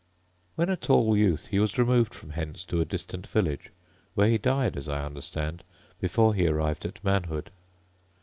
… When a tall youth he was removed from hence to a distant village, where he died, as I understand, before he arrived at manhood.